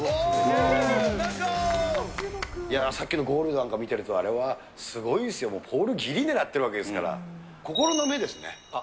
８、さっきのゴールなんか見てると、あれはすごいですよ、もうポールぎり狙っているわけですから、心の目ですね。